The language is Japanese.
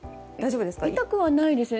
痛くはないですね。